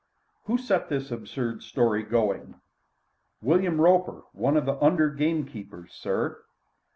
"Who set this absurd story going?" "William Roper, one of the under gamekeepers, sir."